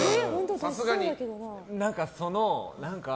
さすがに。